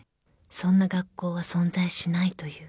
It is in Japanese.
［そんな学校は存在しないと言う］